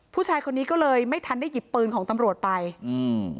ผู้ชายคนนี้ก็เลยไม่ทันได้หยิบปืนของตำรวจไปอืม